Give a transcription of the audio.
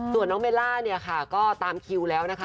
ส่วนน้องเบลล่าเนี่ยค่ะก็ตามคิวแล้วนะคะ